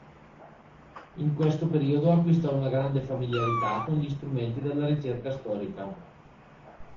In questo periodo acquistò una grande familiarità con gli strumenti della ricerca storica.